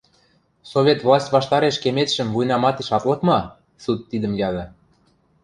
– Совет власть ваштареш кеметшӹм вуйнаматеш ат лык ма? – суд тидӹм яды.